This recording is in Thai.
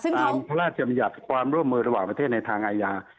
ตามพระราชบัญญัติความร่วมมือระหว่างประเทศในทางอาญา